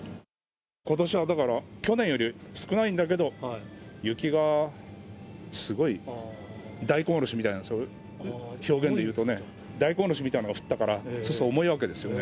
ことしはだから去年より少ないんだけど、雪がすごい、大根おろしみたいなんですよ、表現で言うとね、大根おろしみたいのが降ったから、そうすると重いわけですよね。